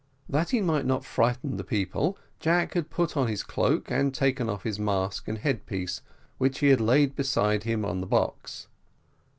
That he might not frighten the people, Jack had put on his cloak, and taken off his mask and head piece, which he had laid beside him on the box.